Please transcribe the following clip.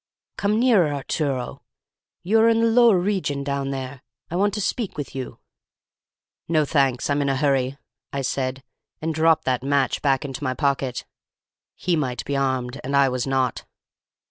"'Come nearer, Arturo. You are in the lower regions down there. I want to speak with you.' "'No, thanks. I'm in a hurry,' I said, and dropped that match back into my pocket. He might be armed, and I was not.